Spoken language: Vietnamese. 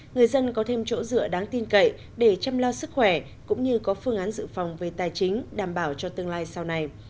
người dân có thêm chỗ dựa đáng tin cậy để chăm lo sức khỏe cũng như có phương án dự phòng về tài chính đảm bảo cho tương lai sau này